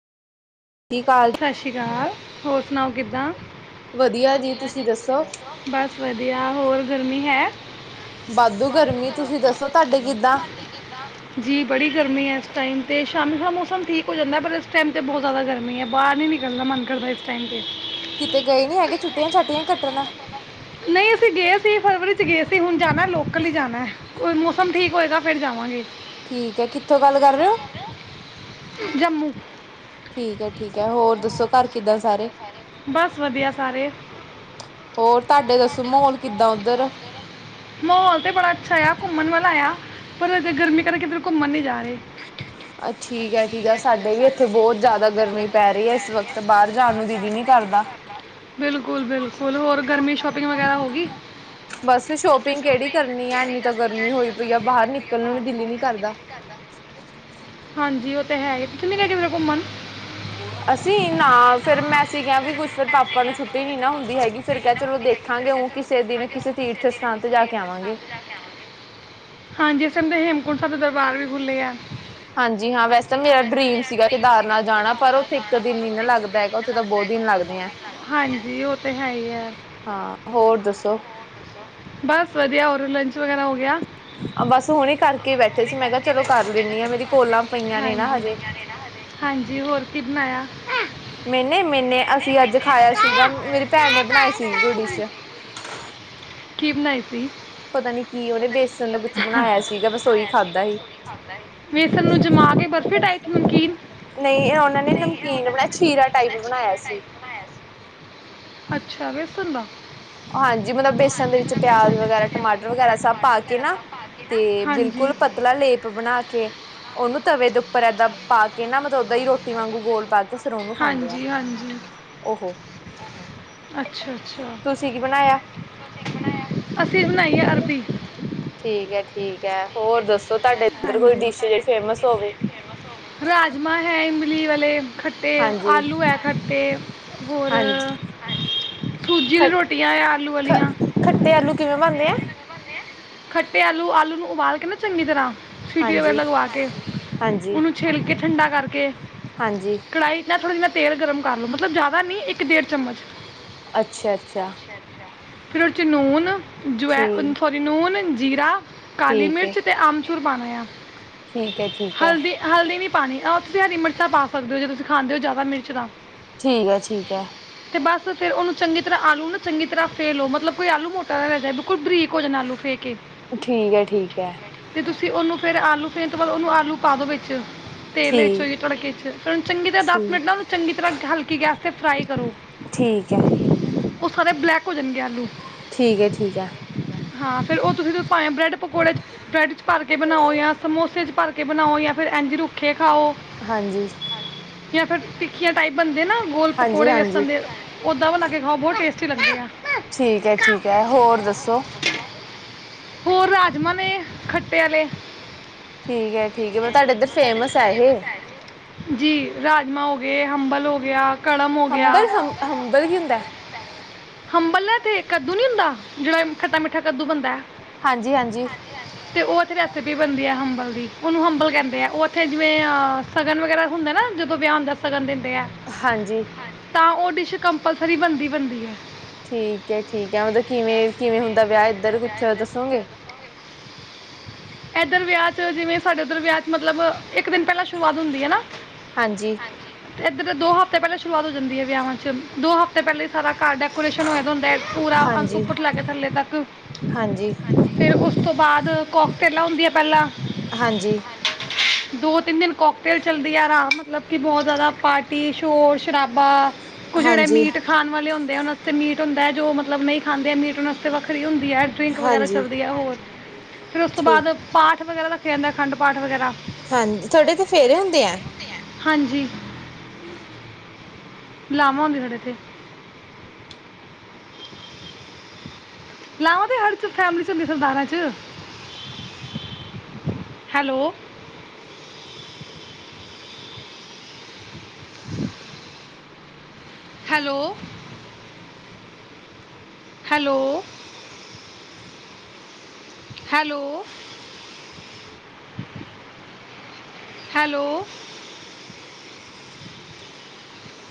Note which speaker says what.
Speaker 1: T ਕਾਲਡ
Speaker 2: ਸਸ ਸ਼੍ਰੀ ਕਾਲ। ਹੋਰ ਸੁਣਾਓ ਕਿੱਦਾਂ?
Speaker 1: ਵਧੀਆ ਜੀ। ਤੁਸੀ ਦੱਸੋ?
Speaker 2: ਬਸ ਵਧੀਆ। ਹੋਰ ਗਰਮੀ ਹੈ?
Speaker 1: ਵਾਧੂ ਗਰਮੀ। ਤੁਸੀ ਦੱਸੋ ਤਾਡੇ ਕਿੱਦਾਂ?
Speaker 2: ਜੀ ਬੜੀ ਗਰਮੀ ਏ ਏਸ ਟਾਈਮ ਤੇ। ਸ਼ਾਮੀਂ ਥੋੜਾ ਮੌਸਮ ਠੀਕ ਹੋ ਜਾਂਦੈ ਪਰ ਇਸ ਟਾਈਮ ਤੇ ਬੋਹੋਤ ਜ਼ਾਦਾ ਗਰਮੀ ਐ। ਬਾਰ ਨੀ ਨਿਕਲਦਾ ਮਨ ਕਰਦਾ ਇਸ ਟਾਈਮ ਤੇ।
Speaker 1: ਕਿਤੇ ਗਏ ਨੀ ਹੈਗੇ ਛੁੱਟੀਆਂ ਛਾਟੀਆਂ ਕੱਟਨ।
Speaker 2: ਨਈ ਅਸੀ ਗੇ ਸੀ ਫਰਵਰੀ 'ਚ ਗੇ ਸੀ। ਹੁਨ ਜਾਨਾ ਏ ਲੋ ਕਲ ਈ ਜਾਨੈ। ਓ ਮੌਸਮ ਠੀਕ ਹੋਏਗਾ ਫੇਰ ਜਾਵਾਂਗੇ।
Speaker 1: ਠੀਕ ਐ। ਕਿੱਥੋਂ ਗੱਲ ਕਰ ਰੇ ਓ?
Speaker 2: ਜੰਮੂ।
Speaker 1: ਠੀਕ ਐ-ਠੀਕ ਐ। ਹੋਰ ਦੱਸੋ ਘਰ ਕਿੱਦਾਂ ਸਾਰੇ?
Speaker 2: ਬਸ ਵਧੀਆ ਸਾਰੇ
Speaker 1: ਹੋਰ ਤਾਡੇ ਦੱਸੋ ਮਾਹੌਲ ਕਿੱਦਾਂ ਓਧਰ?
Speaker 2: ਮਾਹੌਲ ਤੇ ਬੜਾ ਅੱਛਾ ਆਯਾ। ਘੁੰਮਣ ਵਾਲਾ ਆਯਾ। ਪਰ ਹਜੇ ਗਰਮੀ ਕਰਕੇ ਕਿਧਰੇ ਘੁੰਮਣ ਨੀ ਜਾ ਰੇ।
Speaker 1: ਆ ਠੀਕ ਐ-ਠੀਕ ਐ। ਸਾਡੇ ਵੀ ਏੱਥੇ ਬੋਤ ਜਾਦਾ ਗਰਮੀ ਪੈ ਰਈ ਐ ਇਸ ਵਕਤ। ਤੇ ਬਾਰ ਜਾਨ ਨੂੰ ਜੀ ਵੀ ਨੀ ਕਰਦਾ।
Speaker 2: ਬਿਲਕੁਲ-ਬਿਲਕੁਲ। ਹੋਰ ਗਰਮੀ ਦੀ ਸ਼ੋਪਿੰਗ ਵਗੈਰਾ ਹੋ ਗੀ?
Speaker 1: ਬਸ ਸ਼ੋਪਿੰਗ ਕੇੜੀ ਕਰਨੀ ਆ ਏਨੀ ਤਾਂ ਗਰਮੀ ਹੋਈ ਪਈ ਆ। ਬਾਹਰ ਨਿਕਲਨ ਨੂੰ ਦਿਲ ਈ ਨੀ ਕਰਦਾ।
Speaker 2: ਹਾਂਜੀ, ਓ ਤੇ ਹੈ ਈ। [unintelligible] ਘੁੰਮਮ।
Speaker 1: ਅਸੀ, ਨਾ ਫੇਰ ਮੈਂ ਅਸੀ ਕਿਐ ਵੀ ਕੁਛ ਫੇਰ ਪਾਪਾ ਨੂੰ ਛੁੱਟੀ ਨੀ ਨਾ ਹੁੰਦੀ ਹੈਗੀ। ਫੇਰ ਕਿਐ ਚਲੋ ਦੇਖਾਂਗੇ ਓ ਕਿਸੇ ਦਿਨ ਕਿਸੇ ਤੀਰਥ ਸਥਾਨ ਤੇ ਜਾ ਕੇ ਆਵਾਂਗੇ।
Speaker 2: ਹਾਂਜੀ ਏ ਸੰਮੇਂ ਹੇਮਕੁੰਡ ਸੈਬ ਦੇ ਦਰਬਾਰ ਵੀ ਖੁੱਲੇ ਐ।
Speaker 1: ਹਾਂਜੀ
Speaker 2: ਹਾਂਜੀ ਹਾਂ।
Speaker 1: ਮੇਰਾ
Speaker 2: ਵੈਸੇ ਤਾਂ
Speaker 1: ਡਰੀਮ
Speaker 2: ਮੇਰਾ ਇੱਕ ਡਰੀਮ ਸੀਗਾ
Speaker 1: ਕੇਦਾਰਨਾਥ
Speaker 2: ਕਿ
Speaker 1: ਜਾਣਾ
Speaker 2: ਕੇਦਾਰ
Speaker 1: ਪਰ
Speaker 2: ਨਾਥ
Speaker 1: ਉੱਥੇ ਇੱਕ
Speaker 2: ਜਾਣੈ
Speaker 1: ਦਿਨ
Speaker 2: ਪਰ
Speaker 1: ਨੀ ਨਾ
Speaker 2: ਓਥੇ [unintelligible]
Speaker 1: ਲੱਗਦਾ ਹੈਗਾ
Speaker 2: ਸੀਜ਼ਨ
Speaker 1: ਉੱਥੇ ਤਾਂ
Speaker 2: ਲੱਗਦੈ
Speaker 1: ਬਹੁਤ ਦਿਨ
Speaker 2: ਓਥੇ ਤਾਂ
Speaker 1: ਲੱਗਦੇ ਆ।
Speaker 2: ਬੋਹੋਤ ਹੀ ਹਾਂਜੀ, ਓ ਤੇ ਹੈ ਈ ਐ।
Speaker 1: ਹਾਂ, ਹੋਰ ਦੱਸੋ?
Speaker 2: ਬਸ ਵਧੀਆ। ਹੋਰ ਲੰਚ ਵਗੈਰਾ ਹੋ ਗਿਆ?
Speaker 1: ਹੁਣੇ ਕਰਕੇ
Speaker 2: ਬਸ
Speaker 1: ਬੈਠੇ
Speaker 2: ਹੁਨੇ
Speaker 1: ਸੀ ਮੈਂ ਕਿਹਾ
Speaker 2: ਕਰਕੇ
Speaker 1: ਚਲੋ
Speaker 2: ਬੈਠੇ
Speaker 1: ਕਰ
Speaker 2: ਸੀ ਮੈਂ ਕਿਆ
Speaker 1: ਲੈਂਣੀ ਆ
Speaker 2: ਚਲੋ
Speaker 1: ਮੇਰੀ
Speaker 2: ਕਰ
Speaker 1: ਕੋਲਾਂ
Speaker 2: ਦੇਨੀ
Speaker 1: ਪਈਆਂ
Speaker 2: ਆ।
Speaker 1: ਨੇ ਨਾ
Speaker 2: ਮੇਰੀਆ [unintelligible]
Speaker 1: ਹਜੇ।
Speaker 2: ਪਈਆਂ ਨੇ ਨਾ ਹਜੇ। ਹਾਂਜੀ। ਹਾਂਜੀ, ਹੋਰ ਕੀ ਬਨਾਇਆ?
Speaker 1: ਮੈਨੇ-ਮੈਨੇ ਅਸੀ ਅੱਜ ਖਾਇਆ ਸੀਗਾ, ਮੇਰੀ ਭੈਨ ਨੇ ਬਣਾਏ ਸੀ ਕੋਈ ਡਿਸ਼।
Speaker 2: ਕੀ ਬਨਾਈ ਸੀ?
Speaker 1: ਪਤਾ ਨੀ ਕੀ ਓਨੇ ਬੇਸਨ ਦਾ ਕੁਛ ਬਨਾਇਆ ਸੀਗਾ ਬਸ ਓਈ ਖਾਧਾ ਹੀ।
Speaker 2: ਵੇਸਨ ਨੂੰ ਜਮਾ ਕੇ ਬਰਫੀ ਟਾਈਪ ਨਮਕੀਨ
Speaker 1: ਨਈ, ਓਨਾਂ ਨੇ ਨਮਕੀਨ ਬਨਾਏ, ਛੀਰਾ ਟਾਈਪ ਬਣਾਇਆ ਸੀ।
Speaker 2: ਅੱਛਾ, ਵੇਸਨ ਦਾ?
Speaker 1: ਹਾਂਜੀ, ਮਤਲਬ ਬੇਸਨ ਦੇ ਵਿੱਚ ਪਿਆਜ ਵਗੈਰਾ, ਟਮਾਟਰ ਵਗੈਰਾ ਸਭ ਪਾ ਕੇ ਨਾ ਤੇ
Speaker 2: ਹਾਂਜੀ
Speaker 1: ਬਿਲਕੁਲ ਪਤਲਾ ਲੇਪ ਬਨਾ ਕੇ ਓਨੂੰ ਤਵੇ ਦੇ ਉੱਪਰ ਐਦਾਂ ਪਾ ਕੇ ਨਾ ਮਤਲਬ ਓਦਾਂ ਈ ਰੋਟੀ ਵਾਂਗੂ ਗੋਲ ਪਾ ਕੇ ਫੇਰ ਓਨੂੰ ਖਾਨ
Speaker 2: ਹਾਂਜੀ-ਹਾਂਜੀ।
Speaker 1: ਓ ਹੋ
Speaker 2: ਅੱਛਾ-ਅੱਛਾ।
Speaker 1: ਤੁਸੀ ਕੀ ਬਨਾਇਆ?
Speaker 2: ਅਸੀ ਵੀ ਬਨਾਈ ਏ ਅਰਬੀ।
Speaker 1: ਠੀਕ ਐ ਠੀਕ ਐ, ਹੋਰ ਦੱਸੋ ਤੁਆਡੇ ਏਦਰ ਕੋਈ ਡਿਸ਼ ਜੇੜੀ ਫੇਮਸ ਹੋਵੇ?
Speaker 2: ਰਾਜ ਮਾ ਹੈ ਇਮਲੀ ਵਾਲੇ ਖੱਟੇ,
Speaker 1: ਹਾਂਜੀ
Speaker 2: ਆਲੂ ਐ ਖੱਟੇ, ਹੋਰ
Speaker 1: ਹਾਂਜੀ
Speaker 2: [unintelligible]
Speaker 1: ਖ
Speaker 2: ਰੋਟੀਆਂ ਐ ਆਲੂ
Speaker 1: ਖ
Speaker 2: ਆਲੀਆਂ
Speaker 1: ਖੱਟੇ ਆਲੂ ਕਿਵੇਂ ਬਣਦੇ ਆ?
Speaker 2: ਖੱਟੇ ਆਲੂ, ਆਲੂ ਨੂੰ ਉਬਾਲ ਕੇ ਨਾ ਚੰਗੀ ਤਰਾਂ ਸੀਟੀਆਂ ਵਗੈਰਾ
Speaker 1: ਹਾਂਜੀ
Speaker 2: ਲਗਵਾ ਕੇ,
Speaker 1: ਹਾਂਜੀ
Speaker 2: ਓਨੂੰ ਛਿੱਲ ਕੇ ਠੰਡਾ ਕਰਕੇ,
Speaker 1: ਹਾਂਜੀ
Speaker 2: ਕੜਾਈ ਨਾਲ ਥੋੜਾ ਜੇਆ ਤੇਲ ਗਰਮ ਕਰ ਲੋ ਮਤਲਬ ਜ਼ਾਦਾ ਨਈਂ ਇੱਕ ਡੇਢ ਚਮਚ
Speaker 1: ਅੱਛਿਆ-ਅੱਛਿਆ।
Speaker 2: ਫੇਰ ਓਦੇ ਚ ਨੂੰਨ, ਜੁਵੈ
Speaker 1: ਠੀਕ
Speaker 2: ਸੋਰੀ ਨੂੰਨ ਜੀਰਾ ਕਾਲੀ
Speaker 1: ਠੀਕ ਹੈ
Speaker 2: ਮਿਰਚ ਤੇ ਆਮਚੂਰ ਪਾਣਾ ਏਆ।
Speaker 1: ਠੀਕ ਐ, ਠੀਕ ਐ।
Speaker 2: ਹਲਦੀ ਨੀ ਪਾਨੀ ਅ ਤੁਸੀਂ ਹਰੀ ਮਿਰਚਾਂ ਪਾ ਸਕਦੇ ਓ ਜੇ ਤੁਸੀਂ ਖਾਂਦੇ ਓ ਜ਼ਾਦਾ ਮਿਰਚ ਤਾਂ
Speaker 1: ਠੀਕ ਐ, ਠੀਕ ਐ।
Speaker 2: ਤੇ ਬਸ ਫੇਰ ਓਨੂੰ ਚੰਗੀ ਤ ਜਿਸ ਤਰਾਂ ਆਲੂ ਨਾ ਚੰਗੀ ਤਰਾ ਫੇ ਲੋ ਮਤਲਬ ਕੋਈ ਆਲੂ ਮੋਟਾ ਨਾ ਰੈ ਜਾਏ ਬਿਲਕੁਲ ਬਰੀਕ ਹੋ ਜਾਣ ਆਲੂ ਫੇ ਕੇ
Speaker 1: ਠੀਕ ਐ, ਠੀਕ ਐ।
Speaker 2: ਤੇ ਤੁਸੀਂ ਓਨੂੰ ਫੇਰ ਆਲੂ ਫੇਣ ਤੋਂ ਬਾਦ ਓਨੂੰ ਆਲੂ ਪਾ ਦੋ ਵਿੱਚ ਤੇਲ ਵਿੱਚੋ
Speaker 1: ਠੀਕ ਹੈ
Speaker 2: ਜੀ ਤੜਕੇ ਚ ਓਨੂੰ ਚੰਗੀ ਤਰਾਂ ਦਸ ਮਿੰਟ ਨਾ
Speaker 1: ਠੀਕ
Speaker 2: ਓਨੂੰ ਚੰਗੀ ਤਰਾਂ ਹਲਕੀ ਗੈਸ ਤੇ ਫਰਾਈ ਕਰੋ।
Speaker 1: ਠੀਕ ਐ।
Speaker 2: ਓ ਸਾਰੇ ਬਲੈਕ ਹੋ ਜਾਣਗੇ ਆਲੂ
Speaker 1: ਹੈ ਠੀਕ ਹੈ
Speaker 2: ਹਾਂ ਫੇਰ ਓ ਤੁਸੀਂ ਤੇ ਭਾਵੇਂ ਬਰੈੱਡ ਪਕੌੜੇ ਚ ਬਰੈਡ ਚ ਭਰ ਕੇ ਬਣਾਓ ਯਾ ਸਮੋਸੇ ਚ ਭਰ ਕੇ ਬਣਾਓ ਯਾ ਫੇਰ ਐਂਝ ਰੁੱਖੇ ਖਾਓ।
Speaker 1: ਹਾਂਜੀ।
Speaker 2: ਯਾਂ ਫੇਰ ਟਿੱਕੀਆਂ ਟਾਈਪ ਬਣਦੇ ਐ ਨਾ ਗੋਲ
Speaker 1: ਹਾਂਜੀ
Speaker 2: ਪਕੌੜੇ
Speaker 1: ਹਾਂਜੀ
Speaker 2: ਵੇਸਣ ਦੇ ਓਦਾਂ ਬਣਾ ਕੇ ਖਾਓ ਬੋਹ ਟੇਸਟੀ ਲੱਗਦੇ ਆ।
Speaker 1: ਠੀਕ ਐ ਠੀਕ ਐ, ਹੋਰ ਦੱਸੋ?
Speaker 2: ਹੋਰ ਰਾਜਮਾ ਨੇ ਖੱਟੇ ਆਲੇ।
Speaker 1: ਠੀਕ ਐ ਠੀਕ ਐ, ਮ ਤਾਡੇ ਏਦਰ ਫੇਮਸ ਐ ਏਹ?
Speaker 2: ਜੀ, ਰਾਜਮਾ ਹੋ ਗਏ ਹੰਬਲ ਹੋ ਗਿਆ।
Speaker 1: ਹੰਬਲ ਹਮ ਹੰਬਲ ਕੀ ਹੁੰਦੈ?
Speaker 2: ਹੰਬਲ ਨਾ ਏਥੇ ਕੱਦੂ ਨੀ ਹੁੰਦਾ, ਜੇੜਾ ਖੱਟਾ ਮਿੱਠਾ ਕੱਦੂ ਬਣਦੈ
Speaker 1: ਹਾਂਜੀ-ਹਾਂਜੀ।
Speaker 2: ਤੇ ਓ ਓਥੇ ਰੈਸਿਪੀ ਬਣਦੀ ਐ ਹੰਬਲ ਦੀ ਓਨੂੰ ਹੰਬਲ ਕੈਂਦੇ ਆ, ਓ ਓਥੇ ਜਿਵੇਂ ਅ ਸ਼ਗਨ ਵਗੈਰਾ ਹੁੰਦਾ ਐ ਨਾ, ਜਦੋਂ ਵਿਆਹ ਹੁੰਦਾ ਸਗਨ ਦਿੰਦੇ ਐ।
Speaker 1: ਹਾਂਜੀ।
Speaker 2: ਤਾਂ ਓ ਡਿਸ਼ ਕੰਪਲਸਰੀ ਬਣਦੀ-ਬਣਦੀ ਐ।
Speaker 1: ਠੀਕ ਐ ਠੀਕ ਐ, ਮਤਲਬ ਕਿਵੇਂ, ਕਿਵੇਂ ਹੁੰਦਾ ਵਿਆਹ ਏਦਰ ਕੁੱਛ ਦੱਸੋਗੇ?
Speaker 2: ਏਦਰ ਵਿਆਹ ਚ, ਜਿਵੇਂ ਸਾਡੇ ਓਦਰ ਵਿਆਹ ਚ ਮਤਲਬ ਇੱਕ ਦਿਨ ਪੈਲਾਂ ਸ਼ੁਰੂਆਤ ਹੁੰਦੀ ਐ ਨਾ
Speaker 1: ਹਾਂਜੀ।
Speaker 2: ਤੇ ਏਦਰ ਦੋ ਹਫਤੇ ਪੈਲਾਂ ਸ਼ੁਰੂਆਤ ਹੋ ਜਾਂਦੀ ਐ ਵਿਆਹਾਂ ਚ, ਦੋ ਹਫਤੇ ਪੈਲੇ ਈ ਸਾਰਾ ਘਰ ਡੈਕੋ ਡੇਕੋਰੇਸ਼ਨ ਹੋਇਆ ਦਾ ਹੁੰਦਾ ਪੂਰਾ ਅੰਕ
Speaker 1: ਹਾਂਜੀ
Speaker 2: ਉੱਪਰ ਤੋਂ ਲੈਕੇ ਥੱਲੇ ਤੱਕ
Speaker 1: ਹਾਂਜੀ
Speaker 2: ਫਿਰ ਉਸ ਤੋਂ ਬਾਅਦ ਕੋਕ ਟੇਲਾ ਹੁੰਦੀਆਂ ਪੈਲਾਂ
Speaker 1: ਜੀ।
Speaker 2: ਦੋ ਤਿੰਨ ਦਿਨ ਕੋਕਟੇਲ ਚੱਲਦੀ ਆਰਾ ਮਤਲਬ ਕਿ ਬੋਹਤ ਜ਼ਾਦਾ ਪਾਰਟੀ ਸ਼ੋਰ-ਸ਼ਰਾਬਾ ਕੁਜ ਰੈ
Speaker 1: ਹਾਂਜੀ
Speaker 2: ਮੀਟ ਖਾਣ ਵਾਲੇ ਹੁੰਦੇ ਆ ਓਨਾਂ ਆਸਤੇ ਮੀਟ ਹੁੰਦੈ, ਜੋ ਮਤਲਬ ਨਹੀਂ ਖਾਂਦੇ ਮੀਟ, ਓਨਾਂ ਆਸਤੇ ਵੱਖਰੀ ਹੁੰਦੀ ਐ। ਡਰਿੰਕ ਵਗੈਰਾ
Speaker 1: ਹਾਂਜੀ
Speaker 2: ਚੱਲਦੀ ਹੈ ਹੋਰ ਫਿਰ ਉਸ ਤੋਂ
Speaker 1: ਠੀਕ
Speaker 2: ਬਾਦ ਪਾਠ ਵਗੈਰਾ ਰੱਖਿਆ ਜਾਂਦੈ, ਅਖੰਡ ਪਾਠ ਵਗੈਰਾ।
Speaker 1: ਹਾਂਜੀ, ਤੁਹਾਡੇ ਤੇ ਫੇਰੇ ਹੁੰਦੇ ਐਂ।
Speaker 2: ਹਾਂਜੀ, ਲਾਵਾਂ ਹੁੰਦੀਆਂ ਸਾਡੇ ਇੱਥੇ। ਲਾਂਵਾ ਤੇ ਹਰ ਚ-ਫੈਮਲੀ ਚ ਹੁੰਦੀਆਂ ਸਰਦਾਰਾਂ ਚ, hello! Hello! Hello! Hello. Hello.